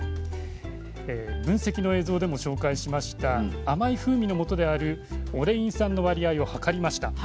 分析の映像でも紹介しました甘い風味のもとであるオレイン酸の割合を測りました。